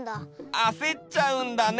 あせっちゃうんだね！